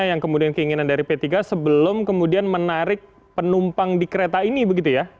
yang kemudian keinginan dari p tiga sebelum kemudian menarik penumpang di kereta ini begitu ya